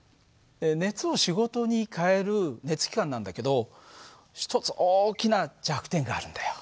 熱を仕事に変える熱機関なんだけど一つ大きな弱点があるんだよ。